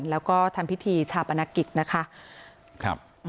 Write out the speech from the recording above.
แล้วก็ทำพิธีชาปนกิจนะคะ